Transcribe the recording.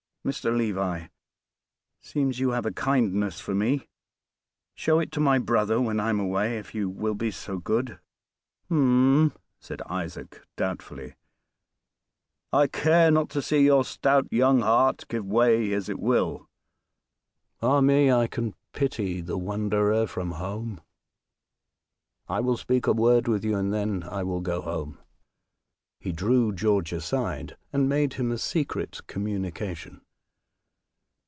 "Mr. Levi! seems you have a kindness for me. Show it to my brother when I'm away, if you will be so good." "Hum?" said Isaac doubtfully. "I care not to see your stout young heart give way, as it will. Ah, me! I can pity the wanderer from home. I will speak a word with you, and then I will go home." He drew George aside, and made him a secret communication.